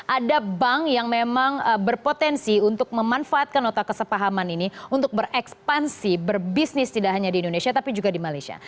ada bank yang memang berpotensi untuk memanfaatkan nota kesepahaman ini untuk berekspansi berbisnis tidak hanya di indonesia tapi juga di malaysia